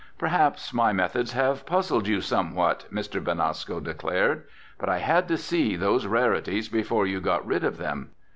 "Perhaps my methods have puzzled you somewhat," Mr. Benasco declared. "But I had to see those rarities before you got rid of them.